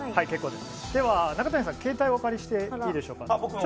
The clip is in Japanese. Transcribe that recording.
では中谷さん、携帯をお借りしていいでしょうか。